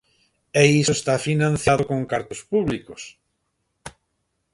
E iso está financiado con cartos públicos.